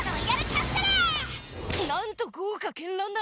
なんと豪華けんらんな！